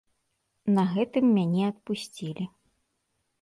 На гэтым мяне адпусцілі.